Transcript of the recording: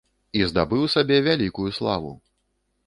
І здабыў сабе вялікую славу!